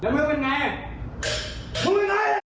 มือเป็นอย่างไร